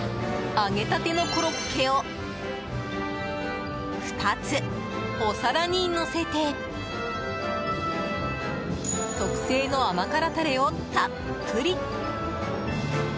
揚げたてのコロッケを２つお皿にのせて特製の甘辛タレをたっぷり。